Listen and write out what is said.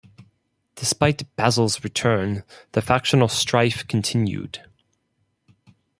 Despite Basil's return, the factional strife continued.